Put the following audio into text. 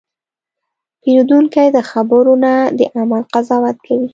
پیرودونکی د خبرو نه، د عمل قضاوت کوي.